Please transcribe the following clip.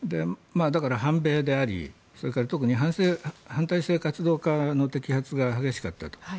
だから、反米であり特に反体制活動家の摘発が激しかった。